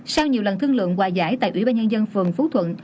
sau nhiều lần thương lượng hòa giải tại ủy ban nhân dân phường phú thuận